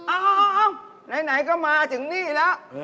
ไหนก็มาถึงนี่แล้ว